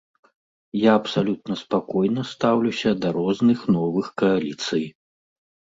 Я абсалютна спакойна стаўлюся да розных новых кааліцый.